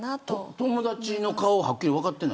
友達の顔はっきり分かってないの。